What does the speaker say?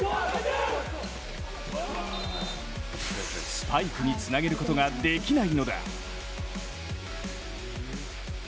スパイクにつなげることができないのだ。